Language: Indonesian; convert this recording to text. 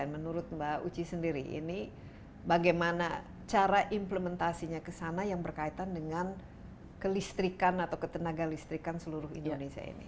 menurut mbak uci sendiri ini bagaimana cara implementasinya ke sana yang berkaitan dengan kelistrikan atau ketenaga listrikan seluruh indonesia ini